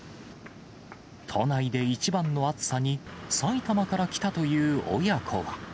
都内で一番の暑さに、埼玉から来たという親子は。